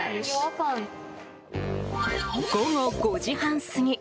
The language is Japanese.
午後５時半すぎ。